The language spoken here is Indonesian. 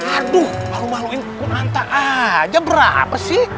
aduh malu maluin kukun anta aja berapa sih